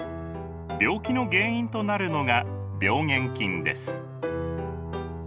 病気の原因となるのが病原菌です。